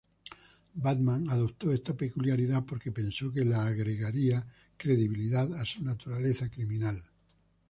Batman adoptó esta peculiaridad porque pensó que le agregaría credibilidad a su naturaleza criminal.